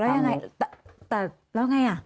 แล้วยังไงแต่แล้วไงอ่ะ